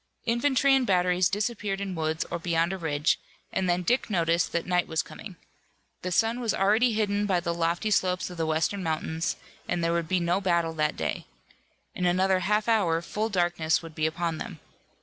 Infantry and batteries disappeared in woods or beyond a ridge, and then Dick noticed that night was coming. The sun was already hidden by the lofty slopes of the western mountains, and there would be no battle that day. In another half hour full darkness would be upon them.